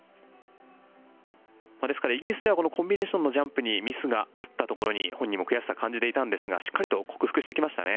ですからイギリスではこのコンビネーションのジャンプにミスがあったところに本人も悔しさを感じていたんですがしっかりと克服してきましたね。